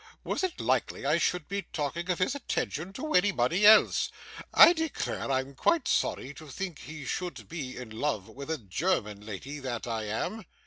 Was it likely I should be talking of his attention to anybody else? I declare I'm quite sorry to think he should be in love with a German lady, that I am.